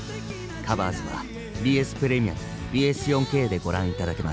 「カバーズ」はＢＳプレミアムＢＳ４Ｋでご覧いただけます。